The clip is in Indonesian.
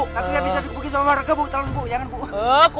nanti bisa dibukin sama warga bu tolong bu jangan bu